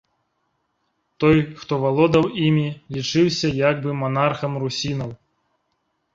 Той, хто валодаў імі, лічыўся як бы манархам русінаў.